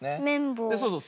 そうそう。